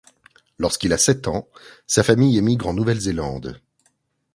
Lorsqu'il a sept ans, sa famille émigre en Nouvelle-Zélande.